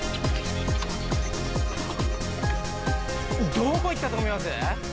どこ行ったと思います？